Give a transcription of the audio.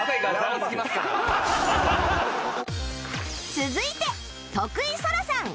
続いて徳井青空さん